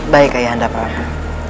baik ayah anda perhatikan